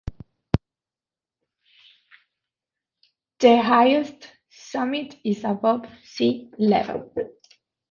The highest summit is above sea-level.